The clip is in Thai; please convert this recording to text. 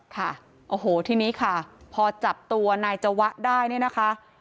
ค่ะโอ้โหทีนี้ค่ะพอจับตัวนายจวะได้เนี่ยนะคะ